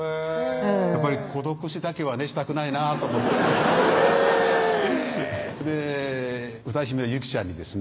やっぱり孤独死だけはねしたくないなと思ってへぇ歌姫のユキちゃんにですね